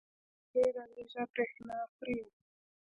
دا چپ ډېره لږه برېښنا خوري.